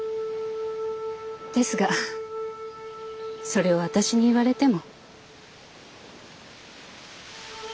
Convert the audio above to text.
ですがそれを私に言われても。